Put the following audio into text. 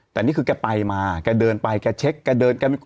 แต่นี่คือแกไปมาแกเดินไปแกเช็คแกเดินแก